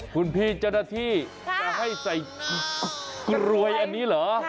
คุณพี่เจ้าหน้าที่จะให้ใส่กลวยอันนี้เหรอ